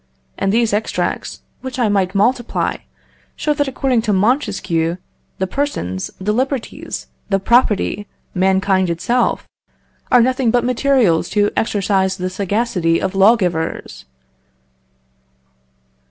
and these extracts, which I might multiply, show that, according to Montesquieu, the persons, the liberties, the property, mankind itself, are nothing but materials to exercise the sagacity of lawgivers."